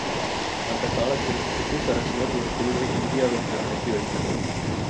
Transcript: அந்தக் காலத்தில் பிரிட்டிஷ் அரசினர் ஒரு குழுவை இந்தியாவிறகு அனுப்பி வைத்தனர்.